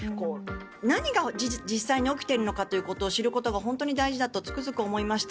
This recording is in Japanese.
何が実際に起きているのかということを知ることが本当に大事だとつくづく思いました。